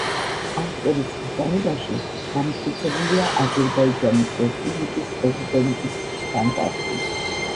აღწერის ბრძანებაში დამტკიცებულია აზერბაიჯანის რესპუბლიკის პრეზიდენტის შტანდარტი.